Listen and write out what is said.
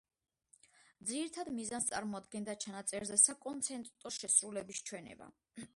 ძირითად მიზანს წარმოადგენდა ჩანაწერზე „საკონცერტო შესრულების“ ჩვენება.